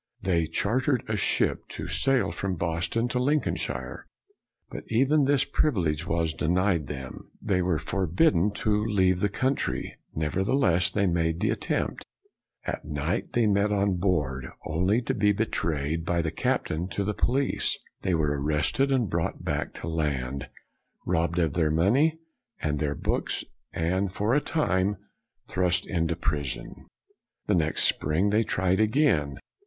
They chartered a ship to sail from Boston, in Lincolnshire. But even this privilege was denied them. They were forbidden to leave the country. Never theless, they made the attempt. At night, they met on board, only to be betrayed by the captain to the police. They were arrested and brought back to land, robbed of their money and their books, and for a time thrust into prison. The next spring they tried again.